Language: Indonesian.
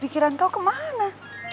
pikiran kau kemana